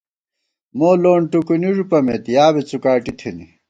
مو لون ٹُکُونی ݫُپَمېت، یا بی څُکاٹی تھنی